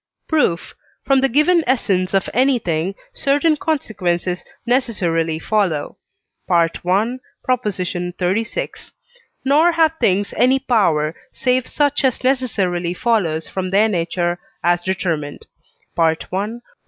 Proof. From the given essence of any thing certain consequences necessarily follow (I. xxxvi.), nor have things any power save such as necessarily follows from their nature as determined (I.